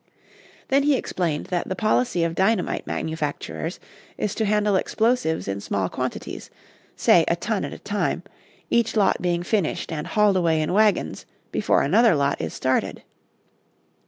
Then he explained that the policy of dynamite manufacturers is to handle explosives in small quantities, say a ton at a time, each lot being finished and hauled away in wagons before another lot is started.